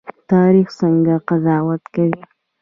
تاریخ څنګه قضاوت کوي؟